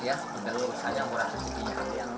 ya sepeda lu sayang murah dan kebijakan